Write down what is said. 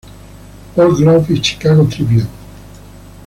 Paul Globe" y "Chicago Tribune".